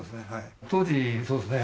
当時そうですね